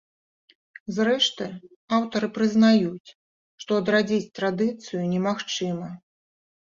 Зрэшты, аўтары прызнаюць, што адрадзіць традыцыю немагчыма.